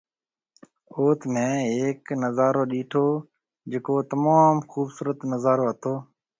اوٿ مينهه هيڪ نظارو ڏيٺو جڪو تموم خوبصورت نظارو هتو